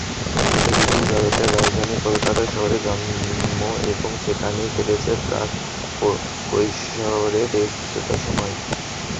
তিনি ব্রিটিশ ভারতের রাজধানী কলকাতা শহরে জন্ম এবং সেখানেই কেটেছে প্রাক-কৈশোরের কিছুটা সময়।